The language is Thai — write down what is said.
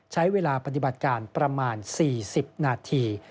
ใช้เวลาปฏิบัติการประมาณ๔๐นาที